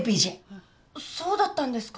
そうだったんですか？